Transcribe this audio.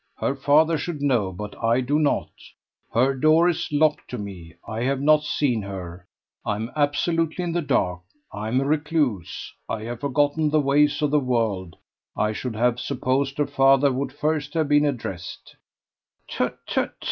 Her father should know, but I do not. Her door is locked to me; I have not seen her. I am absolutely in the dark. I am a recluse. I have forgotten the ways of the world. I should have supposed her father would first have been addressed." "Tut tut.